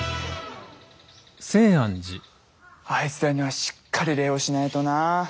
あいつらにはしっかり礼をしないとな。